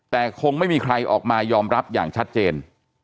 แต่คงไม่มีใครออกมายอมรับอย่างชัดเจน